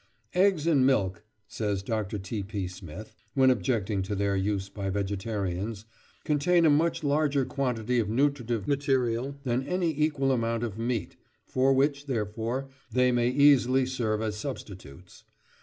"Eggs and milk," says Dr. T. P. Smith, when objecting to their use by vegetarians, "contain a much larger quantity of nutritive material than an equal amount of meat, for which, therefore, they may easily serve as substitutes."